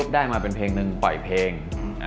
ได้มาเป็นเพลงหนึ่งปล่อยเพลง